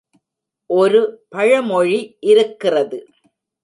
ஒரு பழமொழி இருக்கிறது.